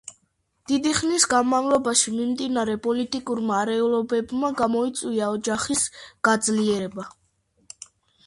დიდი ხნის განმავლობაში მიმდინარე პოლიტიკურმა არეულობებმა გამოიწვია ოჯახის გაძლიერება.